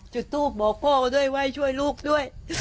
แล้วตกบอกบ่อยช่วยลูกด้วย